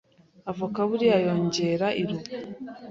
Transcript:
avoka buriya yongera iruba,